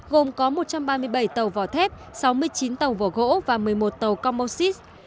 gồm có một trăm ba mươi bảy tàu vỏ thép sáu mươi chín tàu vỏ gỗ và một mươi một tàu commosis